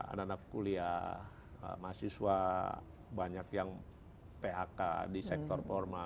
anak anak kuliah mahasiswa banyak yang phk di sektor formal